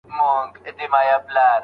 ها !